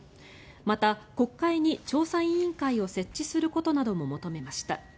また、国会に調査委員会を設置することなども求めました。